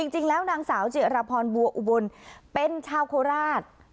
จริงแล้วนางสาวจิรพรบัวอุบลเป็นชาวโคราช